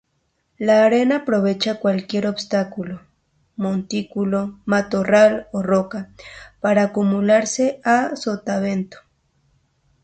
La arena aprovecha cualquier obstáculo, montículo, matorral o roca, para acumularse a sotavento.